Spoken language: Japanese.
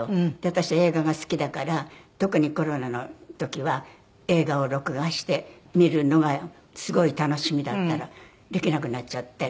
私映画が好きだから特にコロナの時は映画を録画して見るのがすごい楽しみだったらできなくなっちゃって。